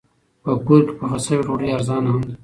په کور کې پخه شوې ډوډۍ ارزانه هم ده.